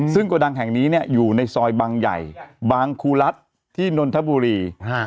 ซึ่งโกดังแห่งนี้อยู่ในซอยบางใหญ่บางครูรัฐที่นนทบุรี